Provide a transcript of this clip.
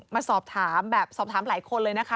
มาสอบถามแบบสอบถามหลายคนเลยนะคะ